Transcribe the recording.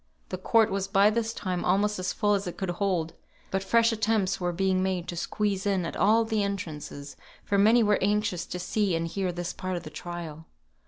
The court was by this time almost as full as it could hold; but fresh attempts were being made to squeeze in at all the entrances, for many were anxious to see and hear this part of the trial.